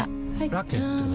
ラケットは？